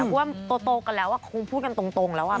เพราะว่าโตกันแล้วคงพูดกันตรงแล้ว